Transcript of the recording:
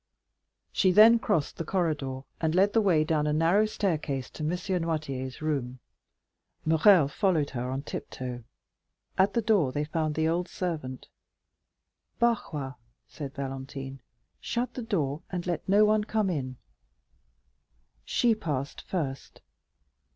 She then crossed the corridor, and led the way down a narrow staircase to M. Noirtier's room; Morrel followed her on tiptoe; at the door they found the old servant. "Barrois," said Valentine, "shut the door, and let no one come in." She passed first.